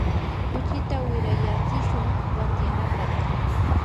kuchita wirayatsishun watyanapaq.